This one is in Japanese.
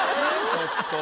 ちょっと。